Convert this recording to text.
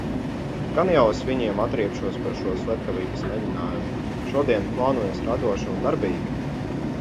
Gan jau es viņiem atriebšos par šo slepkavības mēģinājumu. Šodiena plānojas radoša un darbīga!